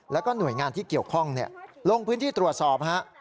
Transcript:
แล้วก็หน่วยงานที่เกี่ยวข้องลงพื้นที่ตรวจสอบฮะ